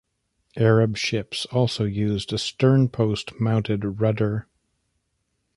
Arab ships also used a sternpost-mounted rudder.